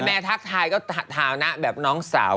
กระแมทักทายก็ถาวน้าแบบน้องสาว